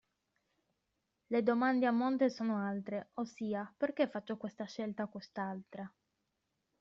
Le domande a monte sono altre, ossia, perché faccio questa scelta o quest'altra?